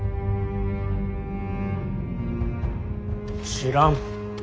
知らん。